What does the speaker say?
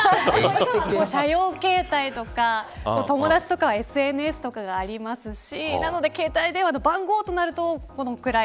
社用携帯とか友達とかはＳＮＳとかがありますしなので携帯電話の番号となるとこのぐらい。